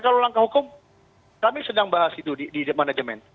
kalau langkah hukum kami sedang bahas itu di manajemen